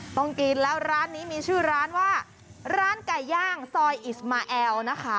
ต้องกินแล้วร้านนี้มีชื่อร้านว่าร้านไก่ย่างซอยอิสมาแอลนะคะ